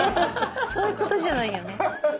そういうことじゃないよね。